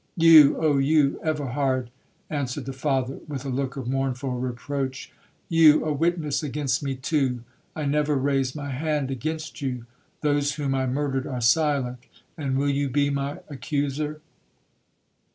'—'You! oh you! Everhard,' answered the father, with a look of mournful reproach, 'you a witness against me too,—I never raised my hand against you!—Those whom I murdered are silent, and will you be my accuser?'